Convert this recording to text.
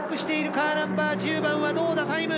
カーナンバー１０番はどうだタイム！